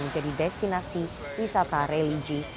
menjadi destinasi wisata religi